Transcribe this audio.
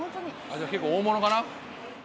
じゃあ結構大物かな？